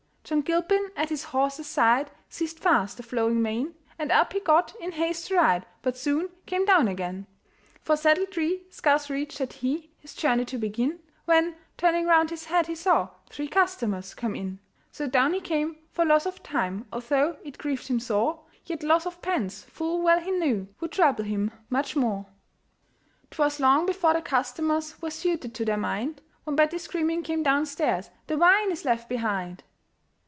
John Gilpin at his horse's side Seized fast the flowing mane, And up he got, in haste to ride, But soon came down again; For saddletree scarce reached had he, His journey to begin, When, turning round his head, he saw Three customers come in. So down he came; for loss of time, Although it grieved him sore, Yet loss of pence, full well he knew, Would trouble him much more. [Illustration: The 3 Customers] 'Twas long before the customers Were suited to their mind, When Betty screaming came downstairs, "The wine is left behind!"